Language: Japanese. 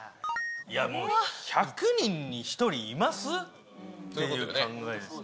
いやもう、１００人に１人います？という考えですね。